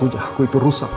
punya aku itu rusak pak